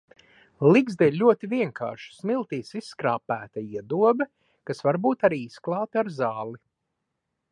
Ligzda ir ļoti vienkārša, smiltīs izskrāpēta iedobe, kas var būt arī izklāta ar zāli.